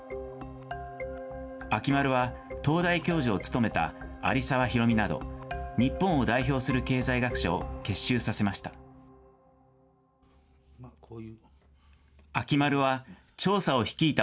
秋丸は、東大教授を務めた有沢広巳など、日本を代表する経済学者を結集させました。